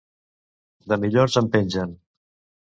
De millors en pengen.